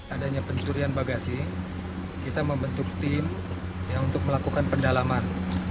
adanya pencurian bagasi kita membentuk tim untuk melakukan pendalaman